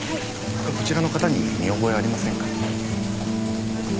こちらの方に見覚えありませんか？